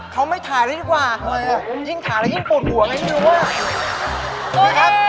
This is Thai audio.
เขาไม่ถ่ายได้ดีกว่ายิ่งถ่ายแล้วยิ่งปุ่นหัวเลยยิ้มดูว่า